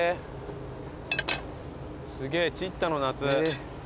すげえチッタの夏。